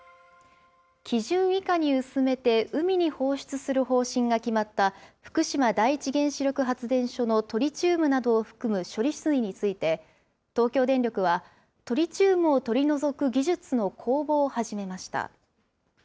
基準以下に薄めて海に放出する方針が決まった、福島第一原子力発電所のトリチウムなどを含む処理水について、東京電力は、トリチウムを取り除く技術の公募を始めました。